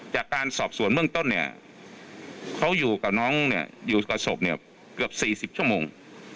จากการสอบสวนเรื่องต้นแต่เขาอยู่แบบน้องแม่อยู่ประสบเนี่ยเกือบ๔๐ชั่วโมง